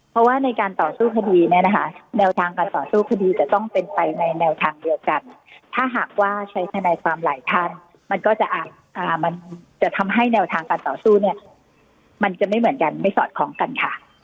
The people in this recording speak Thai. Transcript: เพราะว่าในการต่อสู้คดีเนี่ยนะคะแนวทางการต่อสู้คดีจะต้องเป็นไปในแนวทางเดียวกันถ้าหากว่าใช้ทนายความหลายท่านมันก็จะมันจะทำให้แนวทางการต่อสู้เนี่ยมันจะไม่เหมือนกันไม่สอดคล้องกันค่ะ